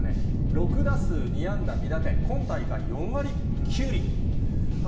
６打数２安打２打点、今大会４割９厘。